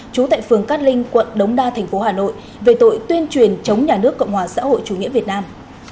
chú tại phường cát linh quận đống đa thành phố hà nội về tội tuyên truyền chống nhà nước cộng hòa xã hội chủ nghĩa việt nam